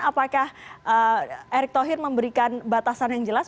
apakah erick thohir memberikan batasan yang jelas